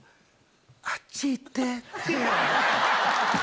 あっち行って⁉